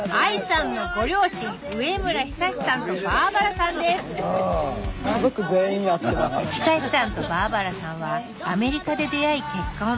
んとバーバラさんはアメリカで出会い結婚。